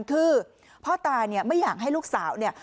คือพ่อตาเนี่ยไม่อยากให้ลูกสาวเนี่ย